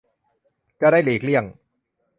จะได้หลีกเลี่ยง